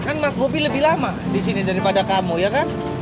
kan mas bopi lebih lama disini daripada kamu ya kan